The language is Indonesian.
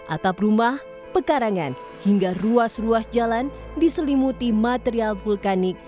atap rumah pekarangan hingga ruas ruas jalan diselimuti material vulkanik